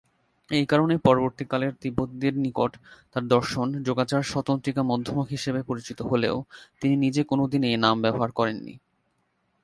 এই কারণে পরবর্তী কালের তিব্বতীদের নিকট তার দর্শন যোগাচার-স্বতন্ত্রিকা-মধ্যমক হিসেবে পরিচিত হলেও তিনি নিজে কোনদিন এই নাম ব্যবহার করেননি।